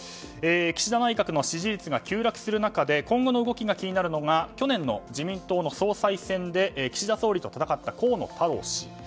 岸田内閣の支持率が急落する中で今後の動きが気になるのが去年の自民党の総裁選で岸田総理と戦った河野太郎氏。